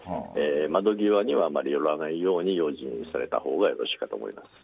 窓際のほうに寄らないように用心されたほうがいいと思います。